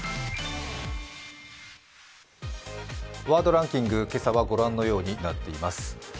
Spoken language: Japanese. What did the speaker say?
ワードランキング、今朝は御覧のようになっています。